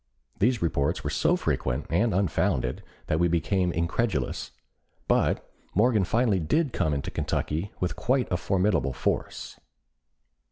These reports were so frequent and unfounded that we became incredulous, but Morgan finally did come into Kentucky with quite a formidable force.